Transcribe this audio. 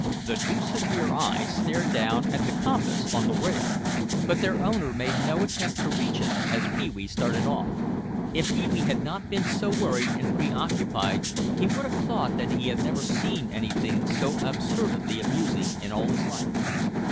The two severe eyes stared down at the compass on the rail but their owner made no attempt to reach it as Pee wee started off. If Pee wee had not been so worried and preoccupied he would have thought that he had never seen anything so absurdly amusing in all his life.